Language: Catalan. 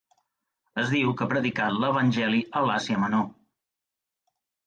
Es diu que ha predicat l'evangeli a l'Àsia Menor.